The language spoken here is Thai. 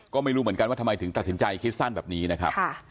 ก็ไม่รู้เหมือนกันว่าทำไมถึงตัดสินใจคิดสั้นแบบนี้นะครับ